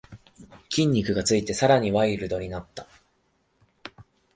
筋肉がついてさらにワイルドになった